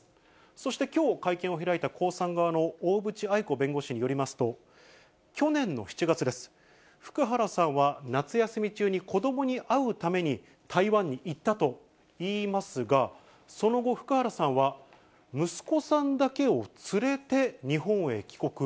そして、きょう会見を開いた江さん側の大渕愛子弁護士によりますと、去年の７月です、福原さんは夏休み中に子どもに会うために台湾に行ったといいますが、その後、福原さんは息子さんだけを連れて日本へ帰国。